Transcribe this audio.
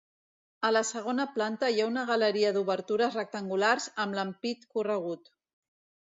A la segona planta hi ha una galeria d'obertures rectangulars amb l'ampit corregut.